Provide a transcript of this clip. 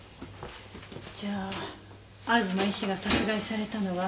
じゃあ東医師が殺害されたのは１３日。